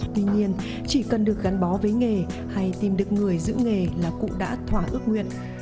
tuy nhiên chỉ cần được gắn bó với nghề hay tìm được người giữ nghề là cụ đã thỏa ước nguyện